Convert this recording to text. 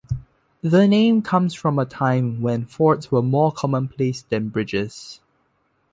The name comes from a time when fords were more commonplace than bridges.